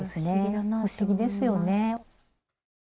不思議ですよね。